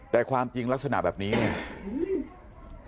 แต่ความจริงลักษณะแบบนี้เนี่ย